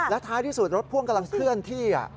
แล้วสักครู่รถพ่วงกำลังเคลื่อนที่